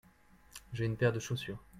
J'ai une paire de chaussures.